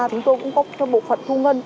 chúng tôi cũng có bộ phận thu ngân